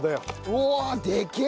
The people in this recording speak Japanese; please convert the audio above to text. うわあでけえ！